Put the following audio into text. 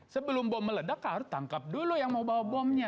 sebelum bom meledak harus tangkap dulu yang mau bawa bomnya